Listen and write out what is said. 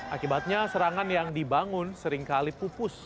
akibatnya serangan yang dibangun seringkali pupus